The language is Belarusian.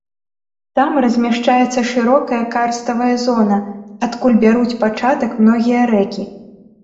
Там размяшчаецца шырокая карставая зона, адкуль бяруць пачатак многія рэкі.